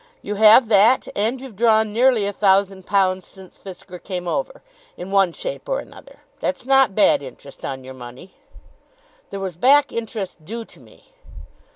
You have that, and you've drawn nearly a thousand pounds since Fisker came over, in one shape or another. That's not bad interest on your money." "There was back interest due to me."